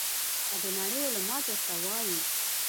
که د نړۍ علما درته وایي.